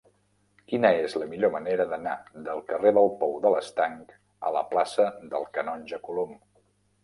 Quina és la millor manera d'anar del carrer del Pou de l'Estanc a la plaça del Canonge Colom?